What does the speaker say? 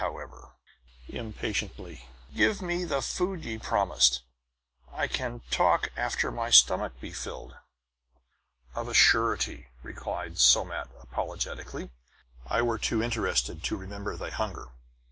However," impatiently, "give me the food ye promised; I can talk after my stomach be filled." "Of a surety," replied Somat apologetically. "I were too interested to remember thy hunger."